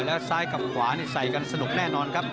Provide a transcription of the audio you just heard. แล้วซ้ายกับขวานี่ใส่กันสนุกแน่นอนครับ